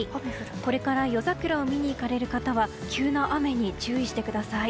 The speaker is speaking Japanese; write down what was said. これから夜桜を見に行かれる方は急な雨に注意してください。